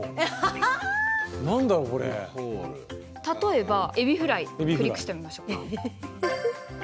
例えば「エビフライ」クリックしてみましょうか。